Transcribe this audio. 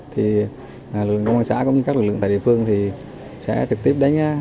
thì lực lượng công an xã cũng như các lực lượng tại địa phương thì sẽ trực tiếp đánh